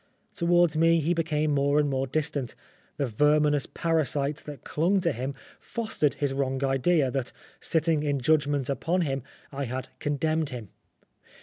Towards me he became more and more distant ; the verminous parasites that clung to him fostered his wrong idea that, sitting in judgment upon him, I had condemned him.